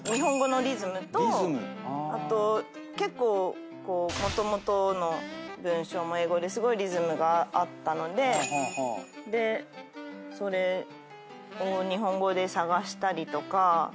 あと結構もともとの文章も英語ですごいリズムがあったのでそれを日本語で探したりとか。